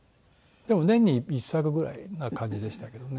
でも年に１作ぐらいな感じでしたけどね。